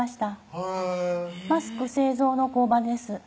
へぇマスク製造の工場です